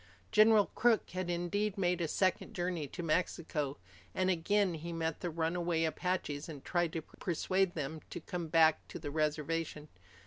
General Crook had indeed made a second journey to Mexico, and again he met the runaway Apaches and tried to persuade them to come back to the reservation.